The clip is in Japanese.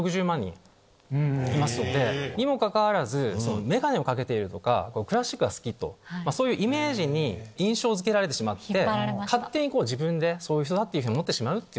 いますのでにもかかわらずメガネを掛けているとかクラシックが好きとそういうイメージに印象づけられてしまって勝手に自分でそういう人だっていうふうに思ってしまうっていう。